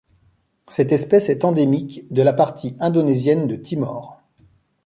Cette espèce est endémique de la partie indonésienne de Timor.